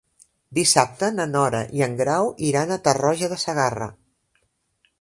Dissabte na Nora i en Grau iran a Tarroja de Segarra.